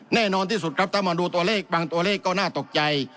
แน่นอนที่สุดครับถ้ามาดูตัวเลขบางตัวเลขก็น่าตกใจ